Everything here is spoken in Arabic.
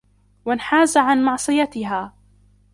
وَانْحَازَ عَنْ مَعْصِيَتِهَا